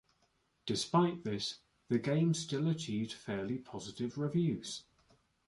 Despite this, the game still achieved fairly positive reviews.